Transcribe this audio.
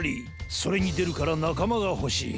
それにでるからなかまがほしい。